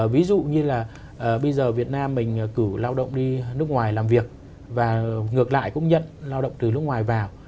ví dụ như là bây giờ việt nam mình cử lao động đi nước ngoài làm việc và ngược lại cũng nhận lao động từ nước ngoài vào